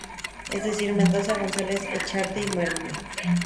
Es decir: Mendoza, González-Echarte y Moreno.